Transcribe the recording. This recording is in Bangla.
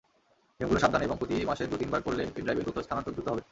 নিয়মগুলো সাবধানে এবং প্রতি মাসে দু-তিনবার করলে পেনড্রাইভে তথ্য স্থানান্তর দ্রুত হবে।